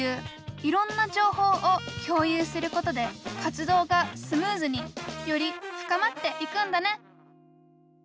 いろんな情報を共有することで活動がスムーズにより深まっていくんだね。